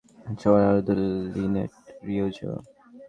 সবার আরাধ্য Linnet Ridgeway!